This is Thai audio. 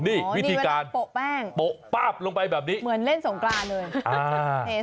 นี่วิธีการโปะแป้งโปะลงไปแบบนี้เหมือนเล่นสงกรานเลย